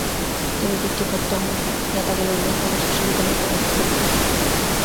তিনি বৃত্তিপ্রাপ্ত হন, যা তাকে লন্ডন কলেজ-বিশ্ববিদ্যালয়ে পড়ার সুযোগ করে দেয়।